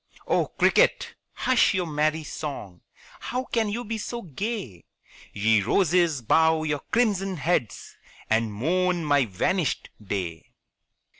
Oh, cricket, hush your merry song; How can you be so gay? Ye roses bow your crimson heads, And mourn my vanished day.